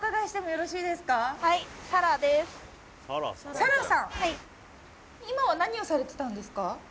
沙良さんはい今は何をされてたんですか？